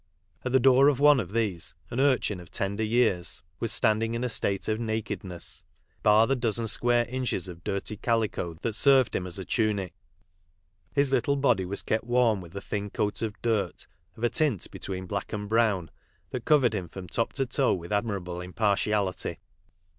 At the door of one of these an urchin of tender years was standing in a state of nakedness, bar the dozen square inches of dirty calico that served him as a tunic. His little body was kept warm with a thm coat of dirt, of a tint between black and brown, that covered him from top to toe with admirable impartiality.